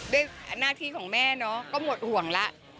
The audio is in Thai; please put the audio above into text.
ด้วยหน้าที่ของแม่เนาะก็หมดห่วงแล้ว